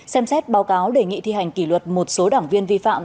xem xét báo cáo đề nghị thi hành kỷ luật một số đảng viên vi phạm